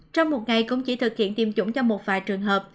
trong một ngày cũng chỉ thực hiện tiêm chủng cho một vài trường hợp